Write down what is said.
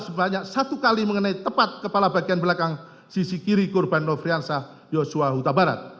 sebanyak satu kali mengenai tepat kepala bagian belakang sisi kiri korban wefriansah yosua utabarat